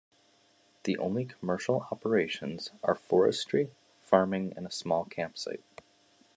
The only commercial operations are forestry, farming and a small campsite.